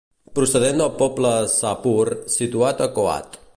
Procedent del poble Shahpur situat a Kohat.